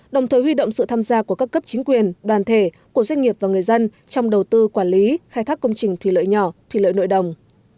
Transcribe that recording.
đồng thời huy động sự tham gia của các cấp chính quyền đoàn thể của doanh nghiệp và người dân trong đầu tư quản lý khai thác công trình thủy lợi nhỏ thủy lợi nội đồng